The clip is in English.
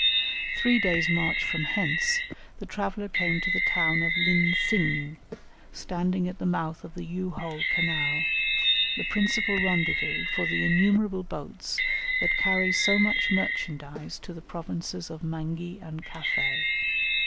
Three days' march from hence, the traveller came to the town of Lin tsing, standing at the mouth of the Yu ho canal, the principal rendezvous for the innumerable boats that carry so much merchandise to the provinces of Mangi and Cathay.